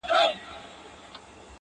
o ستا دهر توري په لوستلو سره؛